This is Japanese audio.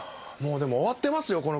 もうでも終わってますよ